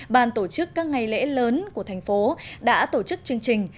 ban tổ chức các ngày lễ lớn của thành phố đã tổ chức chương trình